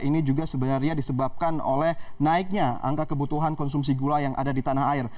ini juga sebenarnya disebabkan oleh naiknya angka kebutuhan konsumsi gula yang ada di tanah air